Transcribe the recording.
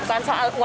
bukan sangat kecewa